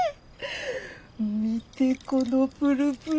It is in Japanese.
見てこのプルプル。